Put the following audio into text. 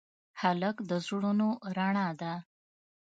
هلک د زړونو رڼا ده.